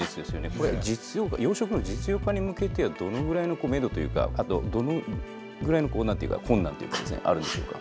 これ、養殖の実用化に向けてはどのぐらいのメドというか、あとどのぐらいの困難というか、あるんでしょうか。